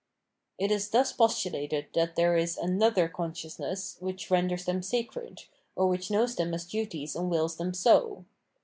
It is thus postulated that there is aruiker conscious ness which renders them sacred, or which knows them as duties and wills them so.